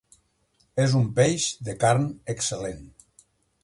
És un peix de carn excel·lent.